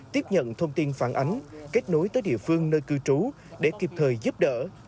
tiếp nhận thông tin phản ánh kết nối tới địa phương nơi cư trú để kịp thời giúp đỡ